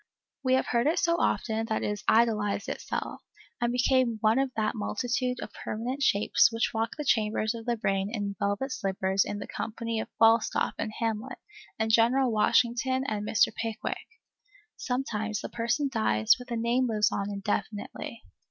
We have heard it so often, that it has idealized itself, and become one of that multitude of permanent shapes which walk the chambers of the brain in velvet slippers in the company of Falstaff and Hamlet and General Washington and Mr. Pickwick. Sometimes the person dies, but the name lives on indefinitely.